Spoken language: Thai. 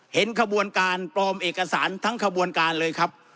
เห็นขบวนการปลอมเอกสารทั้งขบวนการเลยครับ